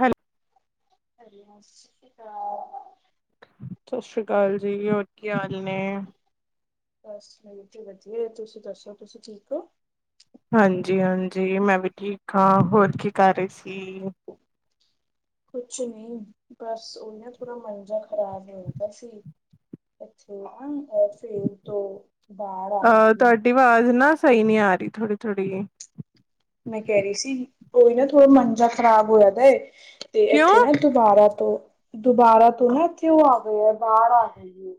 Hello ਸਸਰੀ ਕਾਲ ਜੀ ਹੋਰ ਕੀ ਹਾਲ ਨੇ? ਬਸ ਮੈ ਤੇ ਵਦੀਆ ਤੁਸੀਂ ਦੱਸੋ ਤੁਸੀਂ ਠੀਕ ਓ? ਹਾਂਜੀ-ਹਾਂਜੀ ਮੈਂ ਵੀ ਠੀਕ ਆ ਹੋਰ ਕੀ ਕਰ ਰਏ ਸੀ? ਕੁਛ ਨਈ ਬਸ ਓ ਨਾ ਥੋੜਾ ਮੰਜਾ ਖ਼ਰਾਬ ਹੋਣਦਾ ਸੀ ਅੱਛਾ [unintelligible] ਆ ਤੁਆਡੀ ਆਵਾਜ਼ ਨਾ ਸਈ ਨੀ ਆ ਰਈ ਥੋੜੀ-ਥੋੜੀ। ਮੈਂ ਕੈ ਰਈ ਸੀ, ਓ ਨਾ ਥੋੜਾ ਮੰਜਾ ਖ਼ਰਾਬ ਹੋਏਆਦਾ ਤੇ ਕਿਉਂ ਐਥੇ ਨਾ ਦੁਬਾਰਾ ਤੋਂ, ਦੁਬਾਰਾ ਤੋਂ ਨਾ ਏਥੇ ਨਾ ਹਵਾ ਬਾਰ ਰਈ।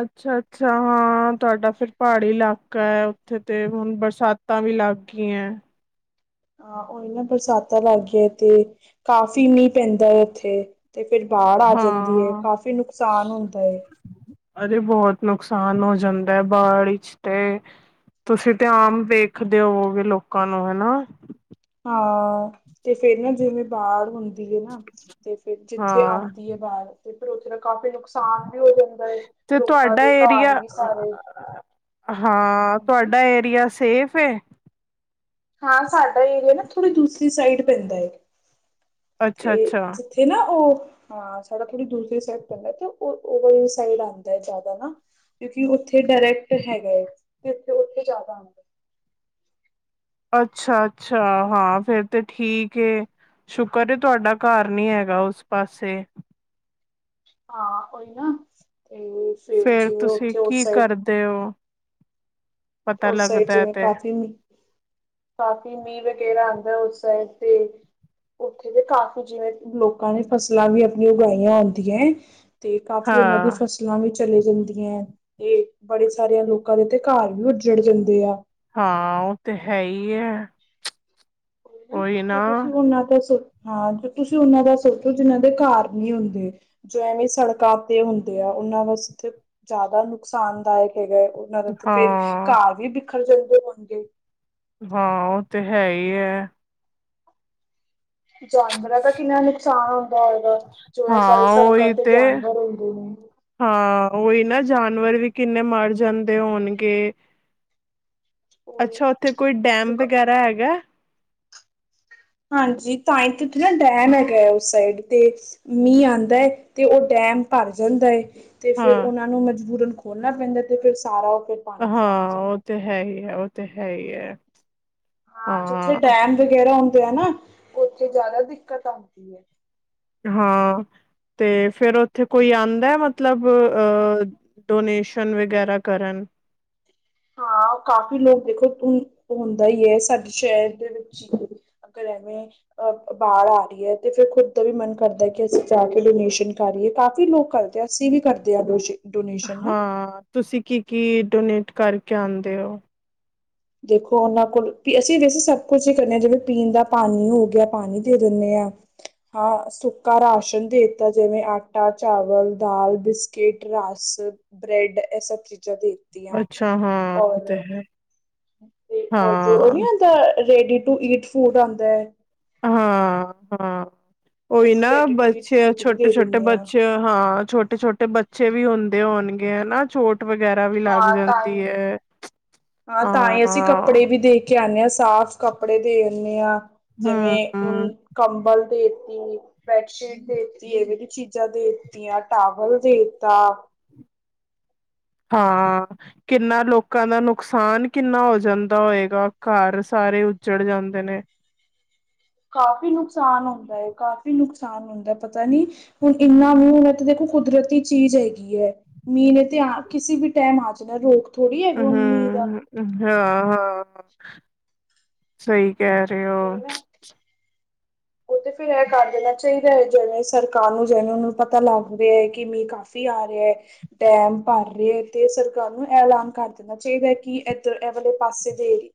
ਅੱਛਾ-ਅੱਛਾ ਹਾਂ ਤੁਆਡਾ ਫੇਰ ਭਾੜੀ ਲਾਕਾ ਏ ਓਥੇ ਤੇ ਹੁਣ ਬਰਸਾ ਤਾਂ ਵੀ ਲਾਗੀਆ ਏ। ਆ ਓਹੀ ਨਾ ਬਰਸਾਤਾਂ ਲੱਗ ਗੀਆ ਤੇ ਕਾਫ਼ੀ ਮੀਂ ਪੈਂਦਾ ਓਥੇ। ਤੇ ਫੇਰ ਬਾੜ ਆ ਜਾਂਦੀ ਏ ਹਾਂ ਕਾਫ਼ੀ ਨੁਕਸਾਨ ਹੁੰਦਾ ਏ। ਅਰੇ ਬੌਤ ਨੁਕਸਾਨ ਹੋ ਜਾਂਦਾ ਐ ਬਾੜੀ ਚ ਤੇ ਤੁਸੀਂ ਤੇ ਆਮ ਵੇਖਦੇ ਹੋਵੋਗੇ ਲੋਕਾਂ ਨੂੰ ਹਨਾ? ਹਾਂ, ਤੇ ਫੇਰ ਨਾ ਜੇਵੇਂ ਬਾਰ ਹੁੰਦੀ ਏ ਨਾ, ਤੇ ਫੇਰ ਜੀਥੇ ਹਾਂ ਆਉਂਦੀ ਏ ਹਾ ਤੇ ਫੇਰ ਓਥੇ ਦਾ ਕਾਫੀ ਨੁਕ ਸਾਨ ਵੀ ਹੋ ਜਾਂਦਾ ਏ ਤੇ ਲੋਕਾਂ ਤੁਹਾਡਾ ਦੇ ਏਰੀਆ ਘਰ ਵੀ ਸਾਰੇ ਹਾਂ ਹਾਂਜੀ ਤੁਆਡਾ ਏਰੀਆ ਸੇਫ ਏ? ਹਾਂ ਸਾਡਾ ਏਰੀਆ ਨਾ ਥੋੜੀ ਦੂਸਰੀ ਸਾਈਡ ਪੈਂਦਾ ਏ, ਅੱਛਾ ਤੇ ਅੱਛਾ ਜਿ ਥੇ ਨਾ ਉਹ ਹਾਂ ਸੜਕ ਦੀ ਦੂਸਰੀ ਸਾਈਡ ਪੈਂਦਾ ਤੇ ਓ ਉਹ ਸਾਈਡ ਆਉਦਾ ਜ਼ਿਆਦਾ ਨਾ ਕਿਉਂਕਿ ਉੱਥੇ ਡਾਇਰੈਕਟ ਹੈਗਾ ਹੈ, ਤੇ ਉਥੇ ਉੱਥੇ ਜ਼ਿਆਦਾ ਆਉਦਾ ਅੱਛਾ- ਅੱਛਾ ਹਾਂ, ਫਿਰ ਤੇ ਠੀਕ ਏ ਸ਼ੁਕਰ ਐ, ਤੁਹਾਡਾ ਘਰ ਨੀ ਹੈਗਾ ਉਸ ਪਾਸੇ ਹਾਂ ਉਹੀ ਨਾ, ਤੇ ਫਿਰ ਜਿਵੇਂ ਤੁਸੀਂ ਉੱਥੇ ਉਸ ਕੀ ਸਾਈਡ ਕਰਦੇ ਓ ਪਤਾ ਉਸ ਸਾਈਡ ਲੱਗਦਾ ਜਿਵੇਂ ਤੇ ਕਾਫੀ ਕਾਫੀ ਮੀਂਹ ਵਗੈਰਾ ਆਉਂਦਾ ਉਸ ਸਾਈਡ ਤੇ ਉੱਥੇ ਦੇ ਕਾਫ਼ੀ ਜਿਵੇਂ ਲੋਕਾਂ ਨੇ ਫਸਲਾਂ ਵੀ ਆਪਣੀਆਂ ਉਗਾਈਆਂ ਹੁੰਂਦੀਆਂ ਤੇ ਕਾਫੀ ਉਹਨਾਂ ਦੀ ਹਾਂ। ਫਸਲਾਂ ਵੀ ਚਲੇ ਜਾਂਦੀਆਂ ਏ, ਤੇ ਬੜੇ ਸਾਰੇ ਲੋਕਾਂ ਦੇ ਤੇ ਘਰ ਓ ਉੱਜੜ ਜਾਂਦੇ ਆ ਹਾਂ ਉਹ ਤੇ ਹੈ ਹੀ ਹੈ ਹਨਾ, ਤੇ ਤੁਸੀਂ ਉਹਨਾਂ ਦਾ ਸੋ, ਹਾਂ ਤੁਸੀਂ ਉਹਨਾਂ ਦਾ ਸੋਚੋ ਜਿਨਾਂ ਦੇ ਘਰ ਨਹੀਂ ਹੁੰਦੇ ਜੋ ਐਵੇਂ ਸੜਕਾਂ ਤੇ ਹੁੰਦੇ ਆ ਉਹਨਾਂ ਵਾਸਤੇ ਜ਼ਿਆਦਾ ਨੁਕਸਾਨਦਾਇਕ ਹੈਗਾ ਹੈ ਓ ਨਾਲ ਉੱਥੇ ਤੇ ਹਾਂ। ਘਾਹ ਵੀ ਬਿਖਰ ਜਾਂਦੇ ਹੋਣਗੇ ਹਾਂ ਉਹ ਤੇ ਹੈ ਹੀ ਹੈ ਜਾਨਵਰਾਂ ਦਾ ਕਿੰਨਾ ਨੁਕਸਾਨ ਹੁੰਦਾ ਹੋਏਗਾ, ਜੋ ਇਹ ਸਾਡੇ ਹਾਂ ਸੜਕਾਂ ਉਹੀ ਤੇ ਜਾਨਵਰ ਹੁੰਦੇ ਨੇ ਹਾਂ, ਉਹੀ ਨਾ ਜਾਨਵਰ ਵੀ ਕਿੰਨੇ ਮਰ ਜਾਂਦੇ ਹੋਣਗੇ ਉਹੀ ਅੱਛਾ ਉੱਥੇ ਕੋਈ ਡੈਮ ਵਗੈਰਾ ਹੈਗਾ ਹਾਂਜੀ ਤਾਂ ਹੀ ਉੱਥੇ ਨਾ ਡੈਮ ਹੈਗਾ ਹੈ ਉਸ ਸਾਈਡ ਤੇ ਮੀਂਹ ਆਉਂਦਾ ਹੈ, ਤੇ ਉਹ ਡੈਮ ਭਰ ਜਾਂਦਾ ਹੈ ਏ ਤੇ ਫਿਰ ਹਾਂ। ਉਹਨਾਂ ਨੂੰ ਮਜਬੂਰਨ ਖੋਲਣਾ ਪੈਂਦਾ, ਤੇ ਫਿਰ ਸਾਰਾ ਉਹਦੇ ਹਾਂ ਉਹ ਤੇ ਹੈ ਹੀ ਹੈ, ਉਹ ਤੇ ਹੈ ਹੀ ਹੈ ਹਾਂ ਜਿੱਥੇ ਡੈਮ ਵਗੈਰਾ ਹੁੰਦੇ ਆ ਨਾ ਉੱਥੇ ਜ਼ਿਆਦਾ ਦਿੱਕਤ ਆਉਂਦੀ ਹੈ ਹਾਂ ਤੇ ਫਿਰ ਉੱਥੇ ਕੋਈ ਆਉਂਦਾ ਮਤਲਬ ਅਹ ਡੋਨੇਸ਼ਨ ਵਗੈਰਾ ਕਰਨ ਹਾਂ ਕਾਫ਼ੀ ਲੋਕ ਦੇਖੋ ਧ ਹੁੰਦਾ ਹੀ ਹੈ ਸਾਡੇ ਸ਼ਹਿਰ ਦੇ ਵਿੱਚ ਹੀ ਅਗਲ ਐਵੇਂ ਅਹ ਬਾਲ ਆ ਰਹੀ ਹੈ ਤੇ ਫੇਰ ਖੁਦ ਦਾ ਵੀ ਮਨ ਕਰਦਾ ਕਿ ਅਸੀਂ ਜਾ ਕੇ ਡੋਨੇਸ਼ਨ ਕਰ ਆਈਏ ਕਾਫ਼ੀ ਲੋਕ ਕਰ ਅਸੀਂ ਵੀ ਕਰਦੇ ਹਾਂ ਡ ਇੰਡੋਨੇਸ਼ਨ ਨਾ ਹਾਂ ਤੁਸੀਂ ਕੀ ਕੀ ਡੋਨੇਟ ਕਰਕੇ ਆਉਂਦੇ ਹੋ ਦੇਖੋ ਉਹਨਾਂ ਕੋਲ, ਅਸੀਂ ਵੈਸੇ ਸਭ ਕੁਛ ਹੀ ਕਰਦੇ ਹਾਂ ਜਿਵੇਂ ਪੀਣ ਦਾ ਪਾਣੀ ਹੋ ਗਿਆ ਪਾਣੀ ਦੇ ਦਿੰਦੇ ਹਾਂ ਹਾਂ ਸੁੱਕਾ ਰਾਸ਼ਨ ਦੇਤਾ ਜਿਵੇਂ ਆਟਾ, ਚਾਵਲ, ਦਾਲ, ਬਿਸਕਿਟ, ਰਸ ਬ੍ਰੈਡ ਐ ਸਭ ਚੀਜ਼ਾਂ ਦੇਖਤੀਆਂ ਅੱਛਾ ਹਾਂ ਉਹ ਔਰ ਤੇ ਹੈ ਤੇ ਔਰ ਜੋ ਓਹ ਨੀ ਹਾਂ ਹੁੰਦਾ ਰੇਡੀ ਟੂ ਈਟ ਫੂਡ ਆਂਉਦਾ ਹਾਂ, ਹਾਂ। ਓਹੀ ਅਸੀਂ ਨਾ ਰੈਡੀ ਟੂ ਈਟ ਬੱਚੇ ਫੂਡ ਵੀ ਦੇ ਛੋਟੇ-ਛੋਟੇ ਦਿੰਦੇ ਹਾਂ ਬੱਚੇ ਹਾਂ ਛੋਟੇ-ਛੋਟੇ ਤੇ ਬੱਚੇ ਵੀ ਹੁੰਦੇ ਹੋਣਗੇ, ਹੈ ਨਾ। ਛੋਟ ਵਗੈਰਾ ਵੀ ਲੱਗ ਹਾਂ ਜਾਂਦੀ ਟਾਈਮ ਐ, ਹਾਂ ਤਾਂ ਹੀ ਅਸੀਂ ਹਾਂ। ਕੱਪੜੇ ਵੀ ਦੇ ਕੇ ਆਣੇ ਆਂ, ਸਾਫ਼ ਕੱਪੜੇ ਦੇ ਆਉਂਦੇ ਆਂ। ਜਿਵੇਂ ਹਮ ਹੁਣ ਕੰਬਲ ਦੇਤੀ। ਬੈਡਸ਼ੀਟ ਦੇਤੀ, ਏਵੇ ਦੀ ਚੀਜ਼ਾਂ ਦੇਤੀਆਂ, ਟਾਵਲ ਦੇਤਾ। ਹਾਂ। ਕਿੰਨਾ ਲੋਕਾਂ ਦਾ ਨੁਕਸਾਨ ਕਿੰਨਾ ਹੋ ਜਾਂਦਾ ਹੋਏਗਾ, ਘਰ ਸਾਰੇ ਉੱਜੜ ਜਾਂਦੇ ਨੇ। ਕਾਫੀ ਨੁਕਸਾਨ ਹੁੰਦਾ ਏ, ਕਾਫ਼ੀ ਨੁਕਸਾਨ ਹੁੰਦੈ ਪਤਾ ਨੀ ਹੁਣ ਇੰਨਾ ਮੀਂਹ ਏ ਤੇ ਦੇਖੋ ਕੁਦਰਤੀ ਚੀਜ਼ ਹੈਗੀ ਐਂ। ਮੀਂਹ ਨੇ ਤੇ ਆ ਕਿਸੇ ਵੀ ਟੈਮ ਆ ਜਾਣੈ, ਰੋਕ ਥੋੜ੍ਹੀ ਹੈਗਾ ਹੁਣ ਮੀਂਹ ਦਾ ਅਹੂੰ, ਹਾਂ, ਹਾਂ। ਸਹੀ ਕਹਿ ਰਹੇ ਓ ਓਹ ਤੇ ਫਿਰ ਐਹ ਕਰ ਦੇਣਾ ਚਾਹੀਦੈ ਜਿਵੇਂ ਸਰਕਾਰ ਨੂੰ ਜਿਵੇਂ ਓਨਾਨੂੰ ਪਤਾ ਲੱਗ ਰਿਆ ਕਿ ਮੀਂ ਕਾਫ ਫੀ ਆ ਰਿਐ। ਡੈਮ ਭਰ ਰੇ ਤੇ ਸਰਕਾਰ ਨੂੰ ਐ ਐਲਾਨ ਕਰ ਦੇਣਾ ਚਾਈਦੈ ਕਿ ਐਧਰ ਐ ਵਾਲੇ ਪਾਸੇ ਦੇ ਏਰੀ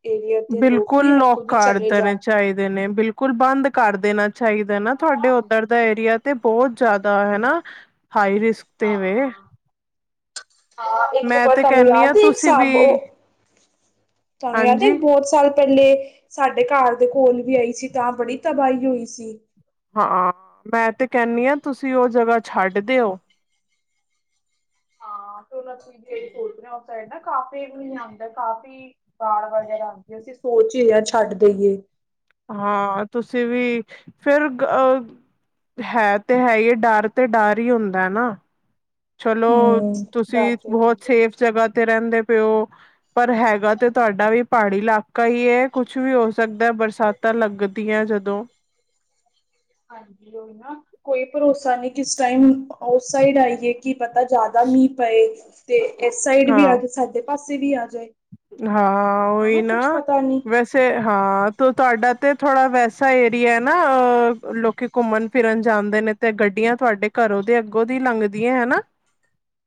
ਬਿਲਕੁਲ ਲੋਕ ਕਰ ਦੇਨੇ ਜਾਣ ਚਾਈਦੇ ਨੇ ਬਿਲ ਬਿਲਕੁਲ ਬੰਦ ਕਰ ਦੇਣਾ ਚਾਈਦਾ ਨਾ ਤੁਹਾਡੇ ਓਧਰ ਦਾ ਏਰੀਆ ਤੇ ਬਹੁਤ ਜਿਆਦਾ ਹੈਨਾ। ਹਾਈ ਰਿਸਕ ਤੇ ਵੇ। ਹਾਂ, ਇੱਕ ਦੋ ਮੈਂ ਬਾਰ ਤੇ ਤੁਹਾਨੂੰ ਕਹਿੰਦੀ ਹਾਂ ਯਾਦ ਏ ਇੱਕ ਤੁਸੀਂ ਵੀ ਸਾਬ ਓ ਤੁਹਾਨੂੰ ਯਾਦ ਏ ਇਕ ਹਾਂਜੀ ਬਹੁਤ ਸਾਲ ਪਹਿਲੇ ਸਾਡੇ ਘਰ ਦੇ ਕੋਲ ਵੀ ਆਈ ਸੀ ਤਾਂ ਬੜੀ ਤਬਾਹੀ ਹੋਈ ਸੀ। ਹਾਂ, ਮੈਂ ਤੇ ਕਹਿਨੀ ਆਂ ਤੁਸੀਂ ਓਹ ਜਗ੍ਹਾ ਛੱਡ ਦਿਓ। ਹਾਂ, ਸੋਲਾ ਤਰੀਕ ਦੀ ਐਹੀ ਸੋਚ ਰੀ ਆਂ ਉਸ ਸਾਈਡ ਨਾ ਕਾਫੀ ਮੀਂਹ ਆੰਦੈ ਕਾਫੀ ਤਾਰ ਵਗੈਰਾ ਹੋਂਦੀ ਐ ਅਸੀਂ ਸੋਚ ਹੀ ਰਹੇ ਆਂ ਅਸੀਂ ਛੱਡ ਦੇਈਏ। ਹਾਂ, ਤੁਸੀਂ ਵੀ ਫੇਰ ਗ ਅਹ ਹੈ ਤੇ ਹੈ ਹੀ ਏ, ਡਰ ਤੇ ਡਰ ਹੀ ਹੁੰਦੈ ਨਾ। ਚਲੋ ਹੂੰ ਡਰ ਤੁਸੀਂ ਤੇ ਗਈ ਬਹੁਤ ਏ ਸੇਫ ਜਗ੍ਹਾ ਤੇ ਰਹਿੰਦੇ ਪਏ ਓ ਪਰ ਹੈਗਾ ਤੇ ਤੁਆਡਾ ਵੀ ਪਹਾੜੀ ਇਲਾਕਾ। ਕਾ ਈ ਏ, ਕੁਛ ਵੀ ਹੋ ਸਕਦੈ ਬਰਸਾਤਾਂ ਲੱਗਦੀਐ ਜਦੋਂ। ਹਾਂਜੀ ਓਹੀ ਨਾ, ਕੋਈ ਭਰੋਸਾ ਨੀ ਕਿਸ ਟਾਈਮ ਉਸ ਸਾਈਡ ਆਈਏ ਕਿ ਪਤਾ ਜੈਦਾ ਮੀਂਹ ਪਏ। ਤੇ ਏਸ ਸਾਈਡ ਵੀ ਆ ਹਾਂ ਜੇ, ਸਾਡੇ ਪਾਸੇ ਵੀ ਆ ਜਾਏ। ਹਾਂ, ਹਨਾ ਓਹੀ ਨਾ ਕੁੱਛ ਪਤਾ ਨੀ ਵੈਸ ਸੇ ਹਾਂ ਤੇ ਤੁਆਡਾ ਤੇ ਥੋੜ੍ਹਾ ਵੈਸਾ ਏਰੀਆ ਈ ਨਾ ਅ ਲੋਕੀ ਘੁੰਮਣ ਫਿਰਨ ਜਾਂਦੇ ਨੇ ਤੇ ਗੱਡੀਆਂ ਤੁਆਡੇ ਘਰੋਂ ਦੇ ਅੱਗੋਂ ਦੀ ਲੰਘਦੀਐ ਹੈਨਾ।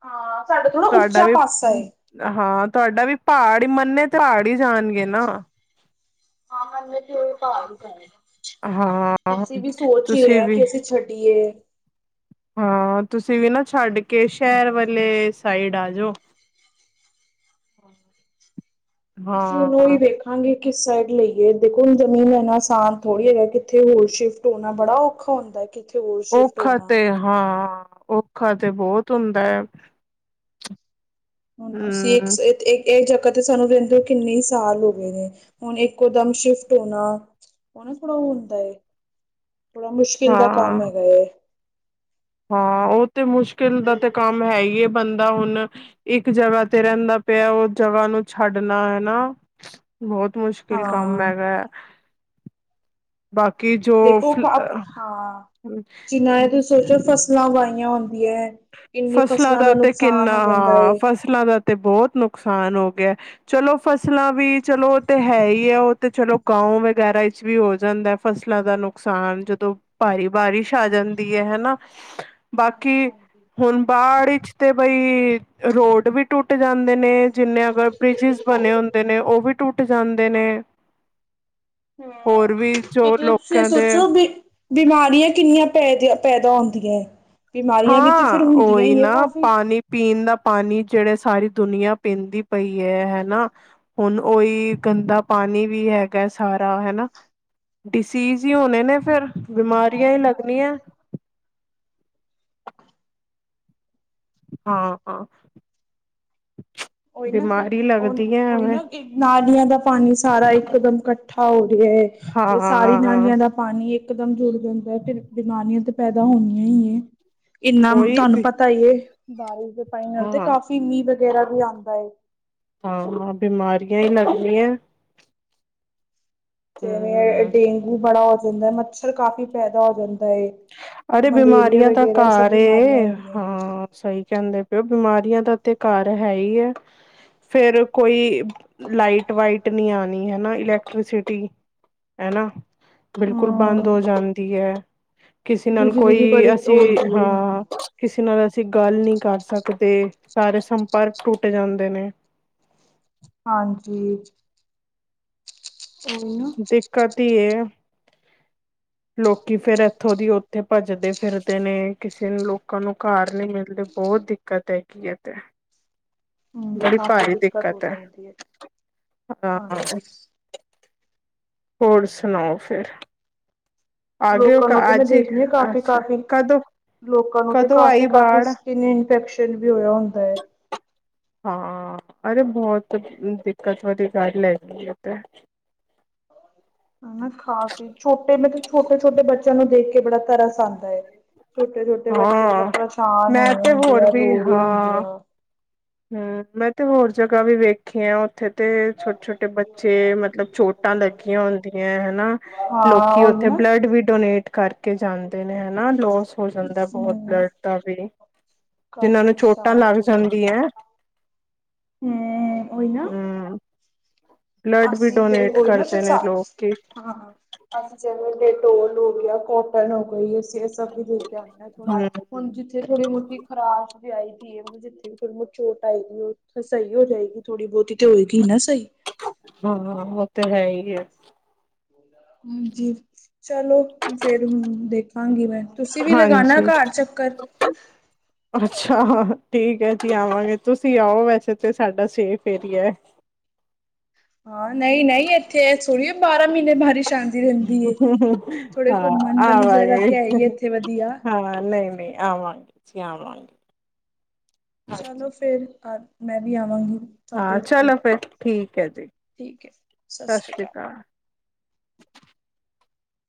ਹਾਂ, ਸਾਡਾ ਥੋੜ੍ਹਾ ਉੱਚਾ ਵੀ ਪਾਸਾ ਏ। ਹਾਂ, ਤੁਆਡਾ ਵੀ ਪਹਾੜ ਹੀ ਮੰਨੇ ਤੇ ਪਹਾੜ ਹੀ ਜਾਣਗੇ ਨਾ। ਹਾਂ, ਮਨੇ ਤੇ ਪਹਾੜ ਹੀ ਜਾਏਂਗੇ। ਹਾਂ ਅਸੀਂ ਵੀ ਸੋਚ ਹੀ ਰਹੇ ਤੁਸੀਂ ਆਂ ਵੀ ਕਿ ਅਸੀਂ ਛੱਡੀਏ। ਹਾਂ, ਤੁਸੀਂ ਵੀ ਨਾ ਛੱਡ ਕੇ ਸ਼ਹਿਰ ਵਾਲੇ ਸਾਈਡ ਆ ਜੋ। ਅਸੀ ਹੁਣ ਹਾਂ ਓਹੀ ਵੇਖ ਹਾਂਜੀ, ਕਿਸ ਸਾਈਡ ਲਈਏ ਦੇਖੋ ਹੁਣ ਜ਼ਮੀਨ ਲੈਨਾ ਆਸਾਨ ਥੋੜ੍ਹੀ ਹੈਗੈ। ਕਿੱਥੇ ਹੋਰ ਸ਼ਿਫਟ ਹੋਣਾ ਬੜਾ ਔਖਾ ਹੁੰਦਾ ਏ। ਕਿੱਥੇ ਹੋਰ ਸ਼ਿਫਟ ਔਖਾ ਹੋਣਾ ਤੇ ਹਾਂ ਔਖਾ ਤੇ ਬਹੁਤ ਹੁੰਦੈ। ਹੁਣ ਅਸੀਂ ਇਕ ਸੇਰ ਏ ਇਹ ਜਗਾ ਤੇ ਸਾਨੂੰ ਰੈੰਦੇ ਕਿੰਨੇ ਸਾਲ ਹੋ ਗਏ ਨੇ। ਹੁਣ, ਇੱਕੋ ਦਮ ਸ਼ਿਫਟ ਹੋਣਾ ਉਹ ਨਾ ਥੋੜਾ ਉਹ ਹੁੰਦਾ ਏ ਬੜਾ ਮੁਸ਼ਕਿਲ ਦਾ ਕੰਮ ਹਾਂ ਹੈਗਾ ਏ ਹਾਂ ਉਹ ਤੇ ਮੁਸ਼ਕਿਲ ਦਾ ਤੇ ਕੰਮ ਹੈ ਈ ਏ ਬੰਦਾ ਹੁਣ ਇੱਕ ਜਗ੍ਹਾ ਤੇ ਰਹਿੰਦਾ ਪਿਆ ਉਸ ਜਗ੍ਹਾ ਨੂੰ ਛੱਡਣਾ ਹਨਾ ਬਹੁਤ ਮੁਸ਼ਕਿਲ ਕੰਮ ਹਾਂ ਹੈਗਾ ਬਾਕੀ ਜੋ ਦੇਖੋ ਫ ਘਰ ਅ ਹਾਂ ਜਿਨਾ ਇਹ ਤੁਸੀਂ ਸੋਚੋ ਫਸਲਾਂ ਉਵਾਹੀਆ ਹੁੰਦੀਆ। ਕਿੰਨੀ ਫਸਲਾਂ ਦਾ ਤੇ ਨੁਕਸਾਨ ਕਿੰਨਾ ਹੋ ਜਾਂਦਾ ਹਾਂ ਹੈ। ਫਸਲਾਂ ਦਾ ਤੇ ਬਹੁਤ ਨੁਕਸਾਨ ਹੋ ਗਿਆ। ਚਲੋ ਫਸਲਾਂ ਵੀ ਚਲੋ ਉਹ ਤੇ ਹੈ ਹੀ ਹੈ ਉਹ ਤੇ ਚਲੋ ਗਾਉ ਵਗੈਰਾ ਵਿੱਚ ਵੀ ਹੋ ਜਾਂਦਾ। ਫਸਲਾਂ ਦਾ ਨੁਕਸਾਨ ਜਦੋਂ ਭਾਰੀ ਬਾਰਿਸ਼ ਆ ਜਾਂਦੀ ਹੈ ਹਨਾ ਹਾਂਜੀ ਬਾਕੀ ਹਾਂਜੀ ਹੁਣ ਬਾੜ ਵਿਚ ਤੇ ਬਈ ਰੋਡ ਵੀ ਟੁੱਟ ਜਾਂਦੇ ਨੇ ਜਿੰਨੇ ਅਗਰ ਬ੍ਰਿਜਿਸ ਬਣੇ ਹੁੰਦੇ ਨੇ ਉਹ ਵੀ ਟੁੱਟ ਜਾਂਦੇ ਨੇ। ਹੋਰ ਹਮ ਵੀ ਤੇ ਜੋ ਜ ਤੁਸੀਂ ਇਹ ਲੋਕਾਂ ਦੇ ਸੋਚੋ ਵੀ ਬਿਮਾਰੀਆਂ ਕਿੰਨੀਆਂ ਪੈ ਪੈਦਾ ਹੁੰਦੀਆਏ। ਹਾਂ ਉਹ ਹੀ ਨਾ ਕਾਫ਼ੀ ਪਾਣੀ ਪੀਣ ਦਾ ਪਾਣੀ ਜਿਹੜੇ ਸਾਰੀ ਦੁਨੀਆਂ ਪੀਂਦੀ ਪਈ ਹੈ ਹਨਾ ਹੁਣ ਓਹੀ ਗੰਦਾ ਪਾਣੀ ਵੀ ਹੈਗਾ ਸਾਰਾ ਹਨਾ। ਡਿਸੀਜ਼ ਹੀ ਹੋਣੇ ਨੇ ਫੇਰ ਬਿਮਾਰੀਆਂ ਹੀ ਲੱਗਣੀਆਂ। ਹਾਂ-ਹਾਂ ਉਹੀ ਨਾ ਫਿਰ ਬਿਮਾਰੀ ਲੱਗਦੀਆਂ ਉਹੀ ਐਵੇਂ। ਨਾ ਨਾਲੀਆਂ ਦਾ ਪਾਣੀ ਸਾਰਾ ਇਕਦਮ ਇਕੱਠਾ ਹੋ ਰਿਹਾ ਹੈ ਤੇ ਸਾਰੀ ਹਾਂ ਨਾਲੀਆਂ ਦਾ ਪਾਣੀ ਇਕਦਮ ਜੁੜ ਜਾਂਦਾ ਫਿਰ ਬਿਮਾਰੀਆਂ ਤੇ ਪੈਦਾ ਹੋਣੀਆਂ ਹ ਏ। ਇੰਨਾ ਉਹੀ ਤੁਹਾਨੂੰ ਬਿ- ਪਤਾ ਈ ਹੈ ਬਾਰਿਸ਼ ਦੇ ਪਾਣੀ ਨਾਲ ਹਾਂ ਤੇ ਕਾਫੀ ਮੀਂਹ ਵਗੈਰਾ ਵੀ ਆਉ ਹਾਂ ਬਿਮਾਰੀਆਂ ਹੀ ਲੱਗਣੀਆਂ। ਜਿਵੇਂ ਹਮ ਡੇਂਗੂ ਬੜਾ ਹੋ ਜਾਂਦਾ ਮੱਛਰ ਕਾਫ਼ੀ ਪੈਦਾ ਹੋ ਜਾਂਦਾ ਹੈ। ਅਰੇ ਮਲੇਰੀਆ ਬਿਮਾਰੀਆਂ ਦਾ ਵਗੈਰਾ ਸਭ ਘਰ ਬਿਮਾਰੀਆਂ ਏ ਹੁੰਦੀਆਂ ਹੈ। ਸਹੀ ਕਹਿੰਦੇ ਬਿਮਾਰੀਆਂ ਦਾ ਤੇ ਘਰ ਹੈ ਹੀ ਹੈ ਫੇਰ ਕੋਈ ਲਾਈਟ ਵਾਈਟ ਨੀ ਆਣੀ ਹਨਾ ਇਲੈਕਟ੍ਰੀਸਿਟੀ ਹਨਾ। ਬਿਲਕੁਲ ਹਾਂ ਬੰਦ ਹੋ ਜਾਂਦੀ ਹੈ ਕਿਸੇ ਨਾਲ ਬਿਜਲੀ ਕੋਈ ਦੀ ਬੜੀ ਅਸੀਂ ਹੁੰਦੀ ਹੈ ਹਾਂ ਕਿਸੇ ਨਾਲ ਅਸੀਂ ਗੱਲ ਨੀ ਕਰ ਸਕਦੇ ਸਾਰੇ ਸੰਪਰਕ ਟੁੱਟ ਜਾਂਦੇ ਨੇ। ਹਾਂਜੀ ਉਹੀ ਨਾ। ਕਦੀ ਹੈ। ਲੋਕੀ ਫੇਰ ਇੱਥੋਂ ਦੀ ਉੱਥੇ ਭੱਜਦੇ ਫਿਰਦੇ ਨੇ ਕਿਸੇ ਨੂੰ ਲੋਕਾਂ ਨੂੰ ਘਰ ਨੀ ਮਿਲਦੇ ਬਹੁਤ ਦਿੱਕ ਦਿੱਕਤ ਏ ਕੀ ਏ ਤੇ। ਹਮ ਬੜੀ ਕਾਫ਼ੀ ਭਾਰੀ ਹੋ ਦਿੱਕਤ ਹੈ ਜਾਂਦੀ ਹਾਂ ਹਾਂਜੀ ਹੋਰ ਸੁਣਾਓ ਫੇਰ। ਆਗੇ ਹੋ ਲੋਕਾਂ ਕ ਨੂੰ ਤੇ ਮੈਂ ਅਜ ਹੀ ਦੇਖਣੀ ਆ ਕਾਫੀ ਅੱਛਾ ਕਾਫੀ ਕਦੋ। ਲੋਕਾਂ ਨੂੰ ਤੇ ਕਾਫ਼ੀ-ਕਾਫ਼ੀ ਸਕਿਨ ਇਨਫੈਕਸ਼ਨ ਵੀ ਹੋਇਆ ਹੁੰਦਾ ਹੈ। ਹਾਂ ਅਰੇ ਬਹੁਤ ਦਿੱਕਤ ਵਾਲੀ ਗੱਲ ਹੈਗੀ ਏ ਤੇ। ਹਨਾ ਖਾਸ ਹੀ ਛੋਟੇ ਮਤਲਬ ਛੋਟੇ-ਛੋਟੇ ਬੱਚਿਆਂ ਨੂੰ ਦੇਖ ਕੇ ਬੜਾ ਤਰਸ ਆਂਦਾ ਏ। ਛੋਟੇ-ਛੋਟੇ ਬੱਚੇ ਮਤਲਬ ਹਾਂ ਪਰੇਸ਼ਾਨ ਮੈਂ ਹੋਏ ਤੇ ਹੁੰਦੇ ਹੋਰ ਆ ਵੀ ਰੋ ਰਹੇ ਹੁੰਦੇ ਹਾਂ ਆ। ਹਮ ਮੈਂ ਤੇ ਹੋਰ ਜਗ੍ਹਾ ਵੀ ਵੇਖੀਆ ਉੱਥੇ ਤੇ ਛੋਟੇ-ਛੋਟੇ ਬੱਚੇ ਮਤਲਬ ਚੋਟਾਂ ਲੱਗੀਆਂ ਹੁੰਦੀਆਂ ਹਨਾ। ਲੋਕੀ ਹਾਂ ਉਹੀ ਉੱਥੇ ਨਾ ਬਲੱਡ ਵੀ ਡੋਨੇਟ ਕਰ ਕੇ ਜਾਂਦੇ ਨੇ ਹਨਾ ਲੋਸ ਹੋ ਜਾਂਦਾ ਬਹੁਤ ਹਮ ਬਲੱਡ ਦਾ ਵੀ। ਜਿਹਨਾਂ ਕਾਫੀ ਨੂੰ ਚੋਟਾਂ ਨੁਕਸਾਨ ਲੱਗ ਜਾਂਦੀਆਂ। ਹੂੰ ਉਹੀ ਨਾ। ਹਮ ਬਲੱਡ ਵੀ ਅਸੀਂ ਤੇੇ ਡੋਨੇਟ ਉਹੀ ਨਾ ਸ ਕਰਦੇ ਸਾ ਨੇ ਲੋਕ ਕਿ ਹਾਂ। ਅਸੀਂ ਜਿਵੇਂ ਡਟੋਲ ਹੋ ਗਿਆ ਕੋਟਨ ਹੋ ਗਈ ਅਸੀ ਦੇ ਕੇ ਆਨੇ ਆ ਥੋੜਾ ਹੂੰ, ਹੁਣ ਜਿੱਥੇ ਥੋੜੀ ਮੋਤੀ ਖਰਾਸ਼ ਵੀ ਆਈ ਦੀ ਏ ਜਿੱਥੇ ਫਿਰਮ ਚੋਟ ਆਏਗੀ ਉਥੇ ਸਹੀ ਹੋ ਜਾਏਗੀ ਥੋੜੀ ਬਹੁਤੀ ਤੇ ਹੋਏਗੀ ਨਾ ਸਹੀ। ਹਾਂ ਉਹ ਤਾਂ ਹੈਈ ਐ। ਹਾਂਜੀ ਚਲੋ ਫੇਰ ਹੁਣ ਦੇਖਾਂਗੀ ਮੈਂ। ਤੁਸੀਂ ਵੀ ਲਗਾਣਾ ਹਾਂਜੀ, ਘਰ ਚੱਕਰ। ਅੱਛਾ ਠੀਕ ਐ ਜੀ ਆਵਾਂਗੇ ਤੁਸੀਂ ਆਓ ਵੈਸੇ ਤੇ ਸਾਡਾ ਸੇਫ ਏਰੀਆ। ਹਾਂ ਨਹੀਂ ਨਹੀਂ ਇੱਥੇ ਥੋੜੀ ਬਾਰਾਂ ਮਹੀਨੇ ਬਾਰਿਸ਼। ਆਂਦੀ ਰਹਿੰਦੀ ਐ ਥੋੜੇ ਹਾਂ ਘੁੰਮਣ ਵਾਲੀ ਜਗ੍ਹਾ ਆਵਾਂਗੇ ਤੇ ਹੈਈ ਇੱਥੇ ਵਧੀਆ। ਹਾਂ ਨਹੀਂ ਨਹੀਂ ਆਵਾਂਗੇ ਜੀ ਆਵਾਂਗੇ। ਹਾਂਜੀ ਚਲੋ ਫੇਰ ਆ ਮੈਂ ਵੀ ਆਵਾਂਗੀ। ਤੁਹਾਡੇ ਹਾਂ ਉੱਥੇ ਚਲੋ ਫਿਰ ਠੀਕ ਐ ਜੀ ਠੀਕ ਹੈ ਸਤਿ ਸ਼੍ਰੀ ਸ੍ਰੀ ਅਕਾਲ। [inaudible]